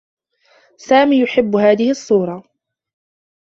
سامي يحبّ هذه الصّورة.